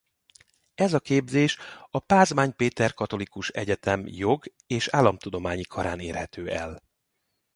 Ez a képzés a Pázmány Péter Katolikus Egyetem Jog- és Államtudományi Karán érhető el.